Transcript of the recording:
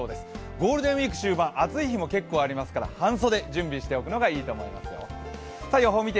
ゴールデンウイーク終盤、暑い日も結構ありますから半袖準備しておくのがいいと思いますよ。